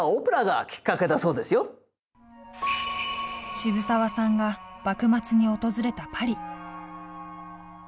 渋沢さんが幕末に訪れたパリ。